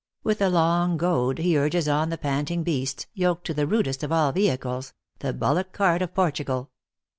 With a long goad he urges on the panting beasts, yoked to the rudest of all vehicles the bullock cart of Portugal.